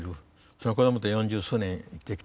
その子どもと四十数年生きてきた。